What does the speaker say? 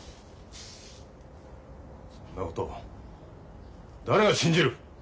そんなこと誰が信じる？ええ！？